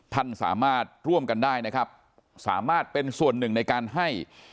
ท่านสามารถร่วมกันได้นะครับสามารถเป็นส่วนหนึ่งในการให้